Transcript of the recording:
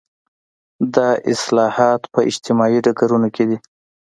دا اصلاحات په اجتماعي ډګرونو کې دي.